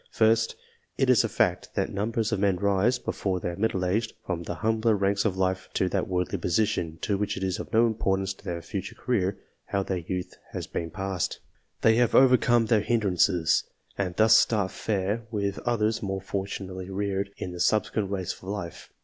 First, it is a fact, that numbers of men rise, before they are middle aged, from__the_Jmmbler ranks of life to that worldly position, in which it is of no importance to tEeir future^career, how their youth has been passed^ They have overcorrre their hindrances, and thus start fair with others more fortunately reared, in the subsequent race of life.